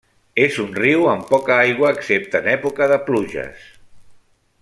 És un riu amb poca aigua excepte en època de pluges.